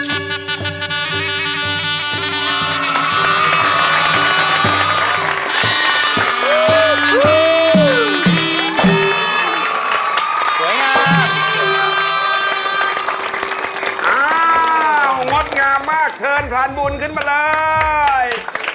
อ้าวงดงามมากเชิญพรานบุญขึ้นมาเลย